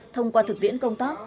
thông qua thực viễn công tác